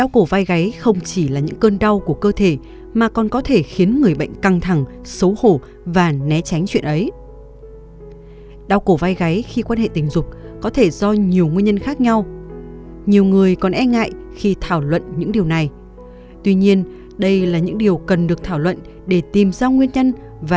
các bạn hãy đăng kí cho kênh lalaschool để không bỏ lỡ những video hấp dẫn